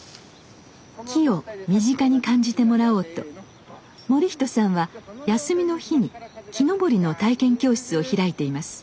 木を身近に感じてもらおうと盛人さんは休みの日に木登りの体験教室を開いています。